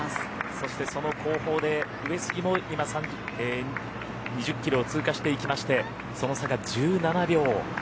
そして、その後方で上杉も今、２０キロを通過していきましてその差が１７秒。